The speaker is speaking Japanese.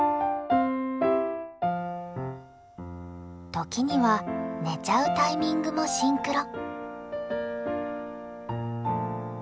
時には寝ちゃうタイミングもシンクロ。